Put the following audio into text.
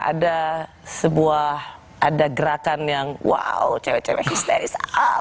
ada sebuah ada gerakan yang wow cewek cewek histeris